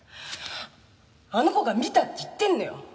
あの子が見たって言ってるのよ